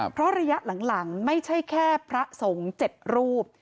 เพราะระยะหลังไม่ใช่แค่พระสงฆ์๗รูป